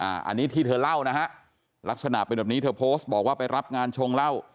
อันนี้ที่เธอเล่านะฮะลักษณะเป็นแบบนี้เธอโพสต์บอกว่าไปรับงานชงเหล้า